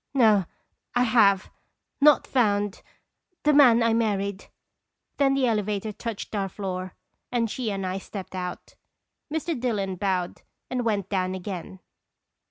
No I have not found the man I married." Then the elevator touched our floor, and she and I stepped out. Mr. Dillon bowed and went down again.